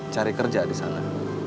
cari kerja di sana